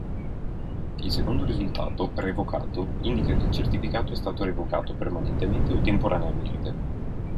Il secondo risultato, revocato, indica che il certificato è stato revocato, permanentemente o temporaneamente.